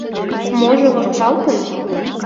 Можо вашталтын?